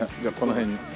この辺に。